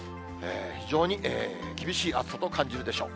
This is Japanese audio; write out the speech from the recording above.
非常に厳しい暑さと感じるでしょう。